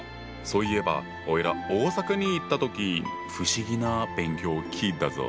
そういえばおいら大阪に行った時不思議な「勉強」を聞いたぞ！